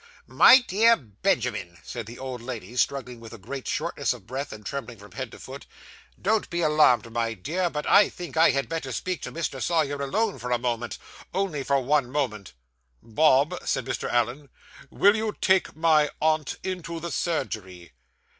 'My dear Benjamin,' said the old lady, struggling with a great shortness of breath, and trembling from head to foot, 'don't be alarmed, my dear, but I think I had better speak to Mr. Sawyer, alone, for a moment. Only for one moment.' 'Bob,' said Mr. Allen, 'will you take my aunt into the surgery?